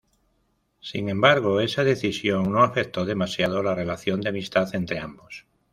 Sin embargo esa decisión no afectó demasiado la relación de amistad entre ambos.